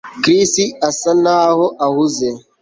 Chris asa naho ahuze